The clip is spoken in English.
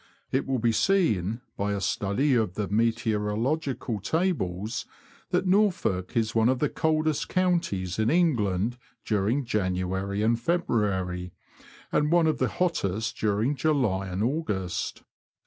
It will be seen, by a study of the meteorological tables, that Norfolk is one of the coldest counties in England during January and February, and one of the hottest during July and August.